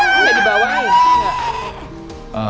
enggak dibawah ndi enggak